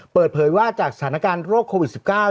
เปิดเผยว่าจากสถานการณ์โรคโควิด๑๙